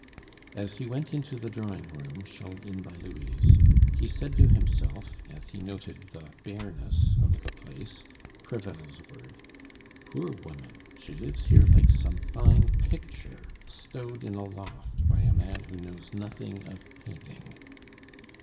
As he went into the drawing room, shown in by Louise, he said to himself as he noted the bareness of the place (Crevel's word): "Poor woman! She lives here like some fine picture stowed in a loft by a man who knows nothing of painting."